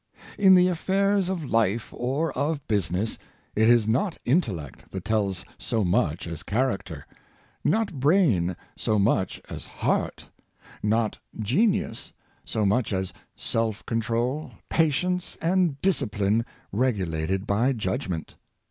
In the affairs of life or of business, it is not intellect that tells so much as character — not brain so much as heart — not genius so much as self control, patience, and discipline regulated by judgment.